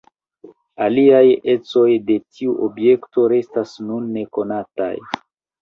Aliaj ecoj de tiu objekto restas nun nekonataj.